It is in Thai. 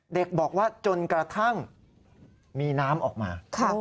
เด็กบอกว่าจนกระทั่งมีน้ำออกมา